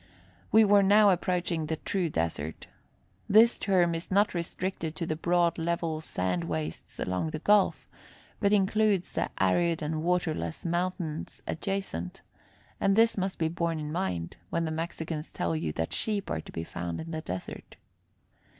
We were now approaching the true desert. This term is not restricted to the broad level sand wastes along the Gulf, but includes the arid and waterless mountains adjacent, and this must be borne in mind when the Mexicans tell you that sheep are to be found in the desert.